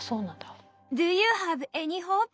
ドゥーユーハブエニーホープ？